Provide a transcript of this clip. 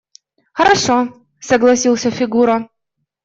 – Хорошо, – согласился Фигура.